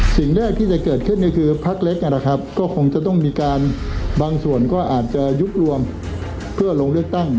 สิ่งแรกที่จะเกิดขึ้นก็คือพักเล็กนะครับก็คงจะต้องมีการบางส่วนก็อาจจะยุบรวมเพื่อลงเลือกตั้ง